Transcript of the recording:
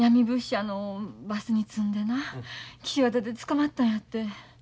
あのバスに積んでな岸和田で捕まったんやて。